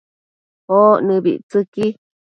oc nëbictsëqui